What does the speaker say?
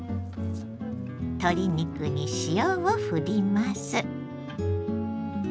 鶏肉に塩をふります。